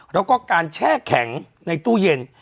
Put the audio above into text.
แล้วก็การแช่แข็งในตู้เย็น